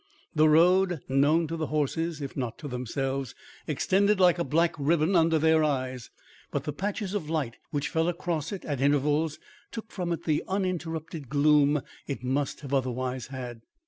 The road, known to the horses, if not to themselves, extended like a black ribbon under their eyes, but the patches of light which fell across it at intervals took from it the uninterrupted gloom it must have otherwise had.